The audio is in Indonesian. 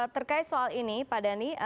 terkait soal ini pak dhani